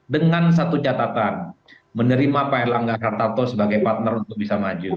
dengan satu catatan menerima pak erlangga hartarto sebagai partner untuk bisa maju